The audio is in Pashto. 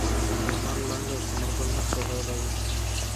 د لمر وړانګو د ثمر ګل مخ سوځولی و.